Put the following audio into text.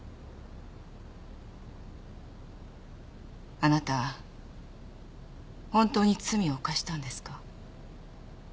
あなた本当に罪を犯したんですか？